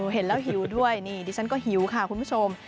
เห็นแล้วหิวด้วยนี่ดิฉันก็หิวค่ะคุณผู้ชม